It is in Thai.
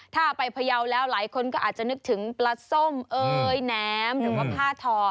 ถ้าไปพยาวแล้วหลายคนก็อาจจะนึกถึงปลาส้มเอ่ยแหนมหรือว่าผ้าทอ